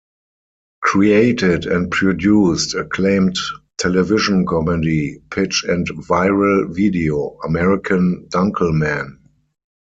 Created and produced acclaimed television comedy pitch and viral video, American Dunkleman.